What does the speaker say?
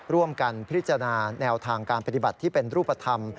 ร่วมกันพิจารณาแนวทางการปฏิบัติที่เป็นรูปธรรม